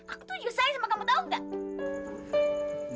aku tuh juga sayang sama kamu tau gak